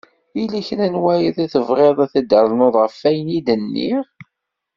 Yella kra n wayen i tebɣiḍ ad d-ternuḍ ɣef ayen i d-nniɣ?